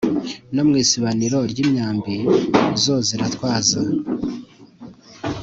No mu isibaniro ry’imyambi zo ziratwaza,